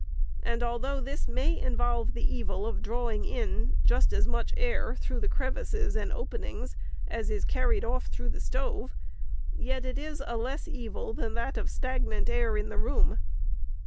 And although this may involve the evil of drawing in just as much air, through the crevices and openings, as is car ried off through the stove, yet it is a less evil than that of stagnant air in the room.